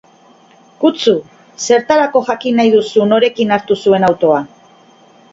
Kutzu! Zertako jakin nahi duzu norekin hartu zuen autoa?